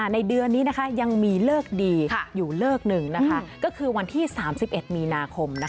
ในเดือนนี้ยังมีเลิกดีอยู่เลิกหนึ่งก็คือวันที่๓๑มีนาคม